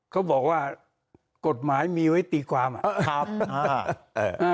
เขาบอกว่ากฎหมายมีไว้ตีความอ่ะครับอ่าอ่า